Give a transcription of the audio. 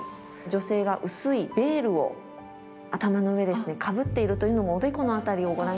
女性が薄いベールを頭の上ですねかぶっているというのもおでこの辺りをご覧頂くと。